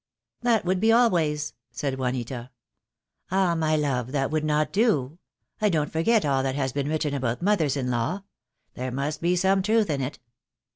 "That would be always," said Juanita. "Ah, my love, that would not do. I don't forget all that has been written about mothers in law. There must be some truth in it."